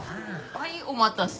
はいお待たせ。